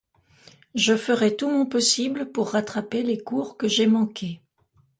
Je ferai tout mon possible pour rattraper les cours que j'ai manqués.